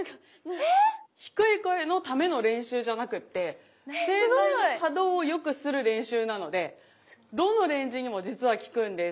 ええ⁉低い声のための練習じゃなくって声帯の可動を良くする練習なのでどのレンジにも実は効くんです。